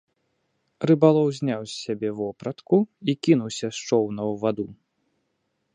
Рыбалоў зняў з сябе вопратку і кінуўся з чоўна ў ваду.